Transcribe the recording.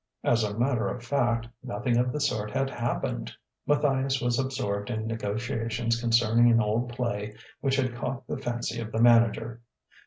As a matter of fact, nothing of the sort had happened. Matthias was absorbed in negotiations concerning an old play which had caught the fancy of the manager.